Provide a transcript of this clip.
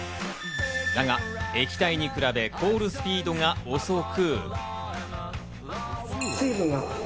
だが、液体に比べ、凍るスピードが遅く。